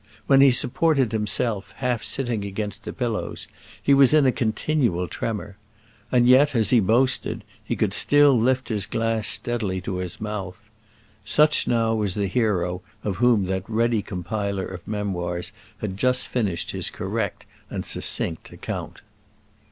When he supported himself, half sitting against the pillows, he was in a continual tremor; and yet, as he boasted, he could still lift his glass steadily to his mouth. Such now was the hero of whom that ready compiler of memoirs had just finished his correct and succinct account.